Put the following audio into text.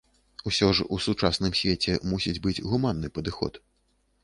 Усё ж у сучасным свеце мусіць быць гуманны падыход.